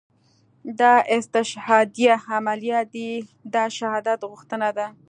دا استشهاديه عمليات دي دا شهادت غوښتنه ده.